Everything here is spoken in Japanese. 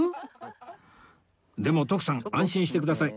でも徳さん安心してください